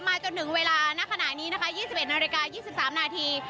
มาจนถึงเวลาณขนาดนี้นะคะ๒๑นาฬิกา๒๓นาฬิกา